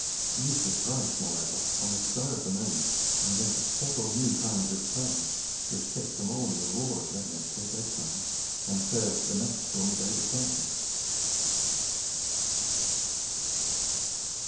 Eustace Bright, moreover, on the spur of the moment, invented several new kinds of play, which kept them all in a roar of merriment till bedtime, and served for the next stormy day besides.